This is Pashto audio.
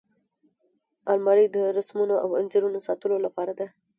الماري د رسمونو او انځورونو ساتلو لپاره ده